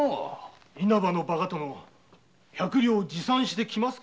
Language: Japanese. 稲葉のバカ殿百両持参して来ますか？